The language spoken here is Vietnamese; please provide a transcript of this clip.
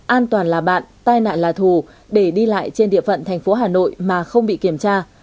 an toàn là bạn tai nạn là thù để đi lại trên địa phận thành phố hà nội mà không bị kiểm tra